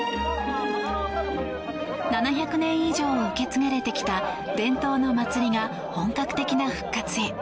７００年以上受け継がれてきた伝統の祭りが本格的な復活へ。